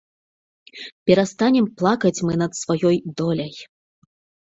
Перастанем плакаць мы над сваёй доляй!